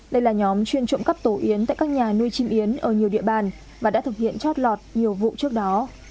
đây là nhóm chuyên trộm cắp tổ yến tại các nhà nuôi chim yến ở nhiều địa bàn và đã thực hiện chót lọt nhiều vụ trước đó